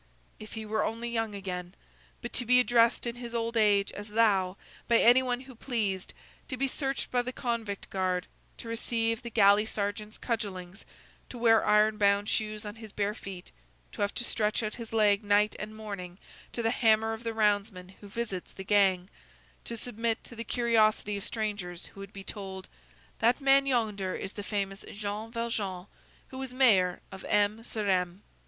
If he were only young again! but to be addressed in his old age as "thou" by any one who pleased; to be searched by the convict guard; to receive the galley sergeant's cudgellings; to wear iron bound shoes on his bare feet; to have to stretch out his leg night and morning to the hammer of the roundsman who visits the gang; to submit to the curiosity of strangers, who would be told: "That man yonder is the famous Jean Valjean, who was mayor of M. sur M."